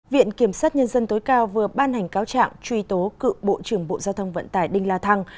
viện kiểm sát nhân dân tối cao vừa ban hành cáo trạng truy tố cựu bộ trưởng bộ giao thông vận tải đinh la thăng